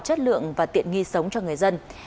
chất lượng và tiện nghi sống cho người dân